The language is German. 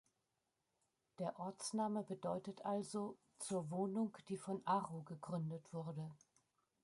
Der Ortsname bedeutet also "zur Wohnung, die von Aro gegründet wurde".